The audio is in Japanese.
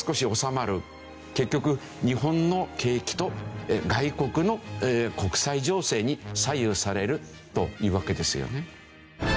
結局日本の景気と外国の国際情勢に左右されるというわけですよね。